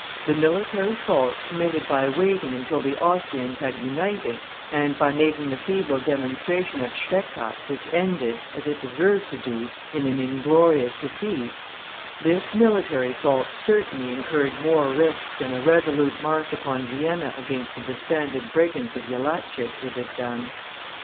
The military fault committed by waiting until the Austrians had united, and by making the feeble demonstration at Schwechat which ended, as it deserved to do, in an inglorious defeat this military fault certainly incurred more risks than a resolute march upon Vienna against the disbanded brigands of Jellachich would have done.